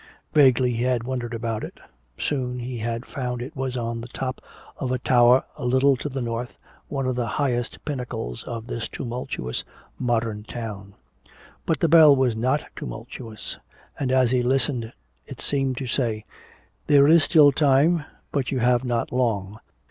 Vaguely he had wondered about it. Soon he had found it was on the top of a tower a little to the north, one of the highest pinnacles of this tumultuous modern town. But the bell was not tumultuous. And as he listened it seemed to say, "There is still time, but you have not long."